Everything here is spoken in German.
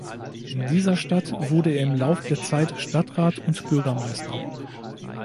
In dieser Stadt wurde er im Lauf der Zeit Stadtrat und Bürgermeister.